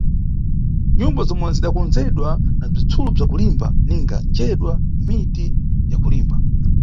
Nyumba zomwe zidakondzedwa na bzitsulo bza kulimba ninga njedwa, miti ya kulimba.